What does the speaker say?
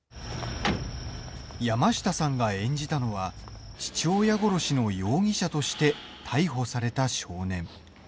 山下さんが演じたのは父親殺しの容疑者として逮捕された少年。